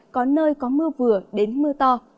có nơi có mưa vừa đến mưa to